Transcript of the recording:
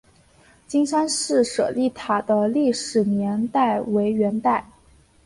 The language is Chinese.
金山寺舍利塔的历史年代为元代。